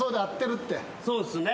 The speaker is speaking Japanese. そうっすね。